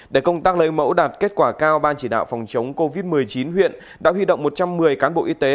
để công tác lấy mẫu đạt kết quả cao ban chỉ đạo phòng chống covid một mươi chín huyện đã huy động một trăm một mươi cán bộ y tế